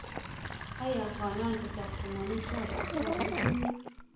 آیا افغانان په ساختماني چارو کې کار نه کوي؟